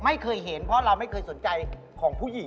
ไม่เคยเห็นเพราะเราไม่เคยสนใจของผู้หญิง